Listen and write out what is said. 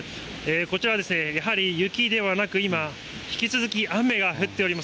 こちらは、やはり雪ではなく今、引き続き雨が降っております。